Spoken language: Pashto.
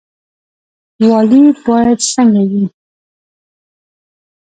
والي باید څنګه وي؟